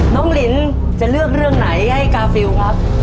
ลินจะเลือกเรื่องไหนให้กาฟิลครับ